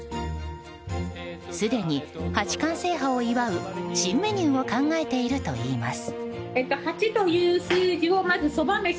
すでに八冠制覇を祝う新メニューを考えているといいます。